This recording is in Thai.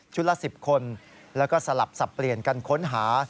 ละ๑๐คนแล้วก็สลับสับเปลี่ยนกันค้นหา